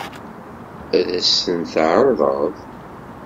Ad as-ten-tɛeṛḍeḍ?